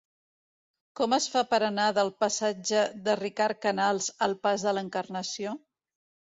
Com es fa per anar del passatge de Ricard Canals al pas de l'Encarnació?